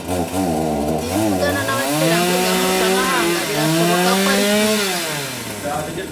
Iyo uvugana nabaterankunga mpuzamahanga birashoboka ko ari byiza